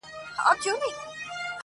د مال، عزت او د سرونو لوټماران به نه وي٫